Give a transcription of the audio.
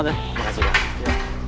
terima kasih pak